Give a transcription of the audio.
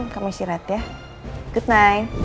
kamu isi rat ya